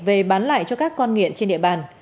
về bán lại cho các con nghiện trên địa bàn